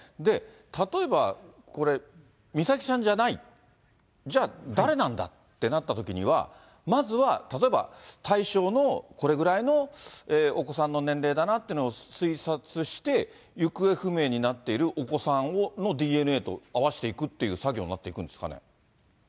例えばこれ、美咲ちゃんじゃない、じゃあ誰なんだってなったときには、まずは例えば、対象のこれぐらいのお子さんの年齢だなっていうのを推察して、行方不明になっているお子さんのＤＮＡと合わせていくという作業そうですね。